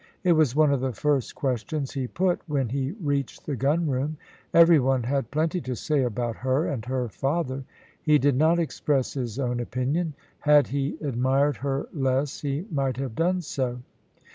It was one of the first questions he put when he reached the gunroom. Every one had plenty to say about her and her father. He did not express his own opinion; had he admired her less he might have done so.